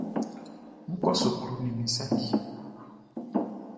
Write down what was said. N kɔ suklu nin min saci.